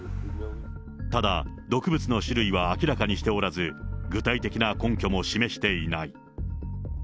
ただ、毒物の種類は明らかにしておらず、具体的な根拠も示していない。